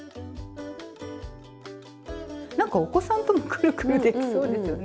なんかお子さんともくるくるできそうですね。